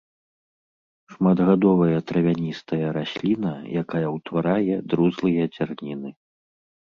Шматгадовая травяністая расліна, якая ўтварае друзлыя дзярніны.